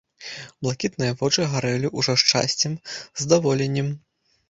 Блакітныя вочы гарэлі ўжо шчасцем, здаволеннем.